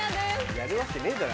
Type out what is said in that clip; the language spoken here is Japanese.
やるわけねえだろ